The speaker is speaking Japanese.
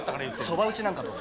そば打ちなんかどう？